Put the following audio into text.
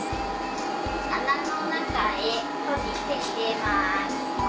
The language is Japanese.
穴の中へ閉じて入れます。